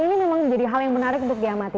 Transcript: ini memang menjadi hal yang menarik untuk diamati